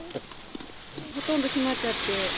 ほとんどしまっちゃって。